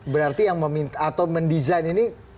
berarti yang meminta atau mendesain ini